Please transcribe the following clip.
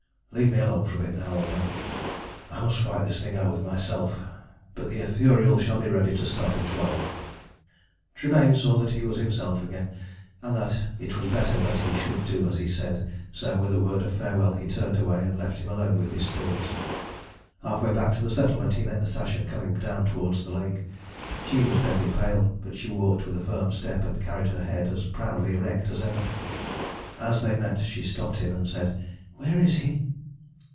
Leave me alone for a bit now, old man. I must fight this thing out with myself, but the Ithuriel shall be ready to start at twelve." Tremayne saw that he was himself again, and that it was better that he should do as he said; so with a word of farewell he turned away and left him alone with his thoughts. Half way back to the settlement he met Natasha coming down towards the lake. She was deadly pale, but she walked with a firm step, and carried her head as proudly erect as ever. As they met she stopped him and said "Where is he?"